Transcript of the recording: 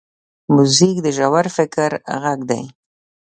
موزیک د ژور فکر غږ دی.